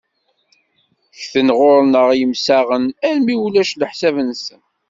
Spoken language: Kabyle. Ggten ɣur-neɣ yemsaɣen armi ulac leḥsab-nsen.